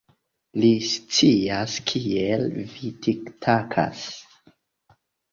Li scias kiel vi tiktakas.